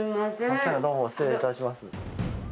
どうも失礼致します。